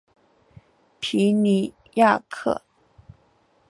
皮尼亚克。